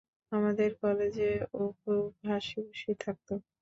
আমাদের কলেজে ও খুব হাশি-খুশি থাকত।